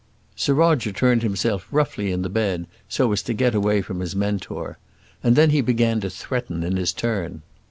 Sir Roger turned himself roughly in the bed so as to get away from his Mentor, and then he began to threaten in his turn.